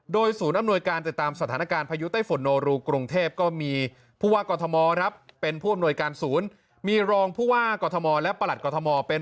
โดยศูนย์อำนวยการติดตามสถานการณ์พอยุทธ